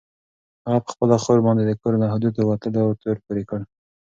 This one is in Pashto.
هغه په خپله خور باندې د کور له حدودو د وتلو تور پورې کړ.